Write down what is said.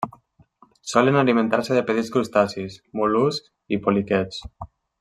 Solen alimentar-se de petits crustacis, mol·luscs i poliquets.